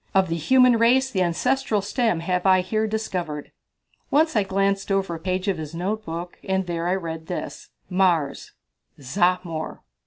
Of the human race the ancestral stem have I here discovered." Once I glanced over a page of his notebook, and there I read this: "Mars Zahmor."